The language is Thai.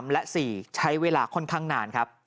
และ๔ใช้เวลาค่อนข้างนานครับ